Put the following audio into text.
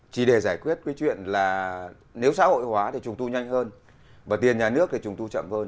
chỉ để giải quyết cái chuyện là nếu xã hội hóa thì trùng tu nhanh hơn và tiền nhà nước thì trùng tu chậm hơn